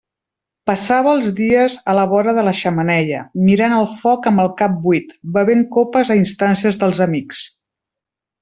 Passava els dies a la vora de la xemeneia, mirant el foc amb el cap buit, bevent copes a instàncies dels amics.